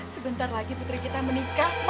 sebentar lagi putri kita menikah